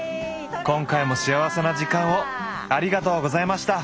今回も幸せな時間をありがとうございました。